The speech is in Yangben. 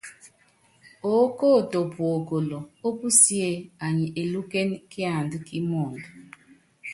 Oókoto puokolo ópusíé anyi elúkéne kiandá kí mɔɔnd.